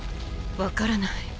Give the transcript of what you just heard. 分からない。